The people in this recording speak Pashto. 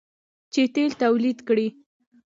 چې تیل تولید کړي.